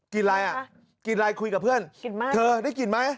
กินอะไรอ่ะกินอะไรคุยกับเพื่อนเธอได้กินไหม